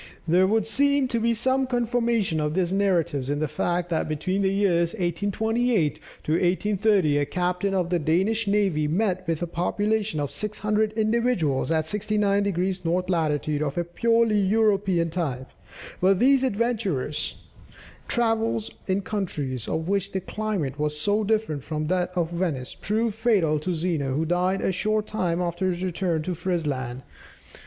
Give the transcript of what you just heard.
There would seem to be some confirmation of these narratives in the fact that between the years 1828 1830 a captain of the Danish navy met with a population of 600 individuals at 69 degrees north latitude, of a purely European type. But these adventurous travels in countries of which the climate was so different from that of Venice, proved fatal to Zeno, who died a short time after his return to Frisland.